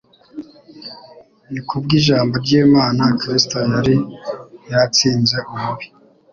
Ni kubw'Ijambo ry'Imana Kristo yari yatsinze umubi.